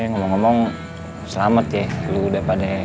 ngomong ngomong selamat ya dulu udah pada nelesain amanah